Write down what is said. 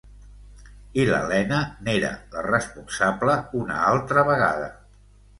I l'Elena n'era la responsable, una altra vegada.